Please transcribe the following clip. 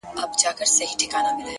مثبت فکر د ستونزو وزن سپکوي.!